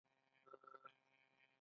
اوړه له کچالو سره ګډ هم کارېږي